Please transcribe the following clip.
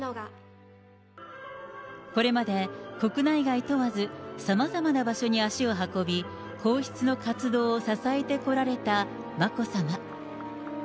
これまで国内外問わず、さまざまな場所に足を運び、皇室の活動を支えてこられた眞子さま。